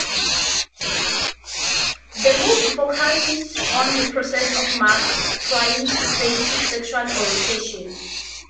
The movie focuses on the process of Mark's trying to face his sexual orientation.